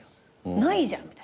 ないじゃんみたいな。